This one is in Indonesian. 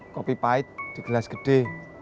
kopi pahit di gelas gede